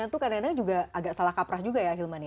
itu kadang kadang juga agak salah kaprah juga ya hilman ya